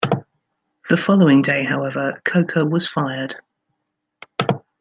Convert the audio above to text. The following day, however, Coker was fired.